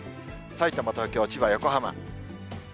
さいたま、東京、千葉、横浜。